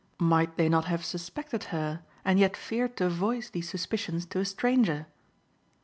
Might they not have suspected her and yet feared to voice these suspicions to a stranger?